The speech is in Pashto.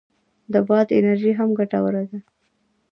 د باد انرژي هم ګټوره ده